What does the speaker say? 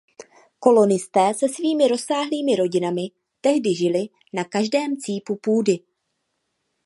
Kolonisté se svými rozsáhlými rodinami tehdy žili na každém cípu půdy.